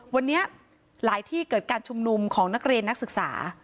วันนี้หลายที่เกิดการชุมนุมของนักเรียนนักศึกษา